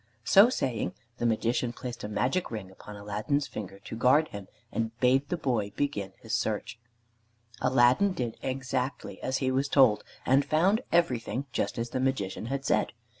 So saying the Magician placed a magic ring upon Aladdin's finger to guard him, and bade the boy begin his search. Aladdin did exactly as he was told and found everything just as the Magician had said.